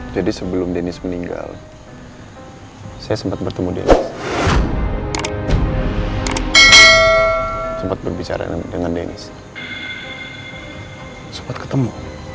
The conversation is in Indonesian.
jadi sebelum deniz meninggal saya sempat bertemu dia sempat berbicara dengan deniz sempat ketemu